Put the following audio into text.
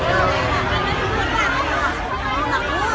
ก็ไม่มีเวลาให้กลับมาเท่าไหร่